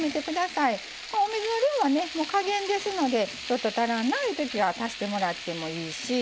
お水の量はね加減ですのでちょっと足らんないうときは足してもらってもいいし。